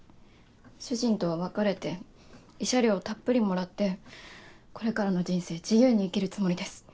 主人とは別れて慰謝料たっぷりもらってこれからの人生自由に生きるつもりです。